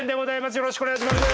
よろしくお願いします。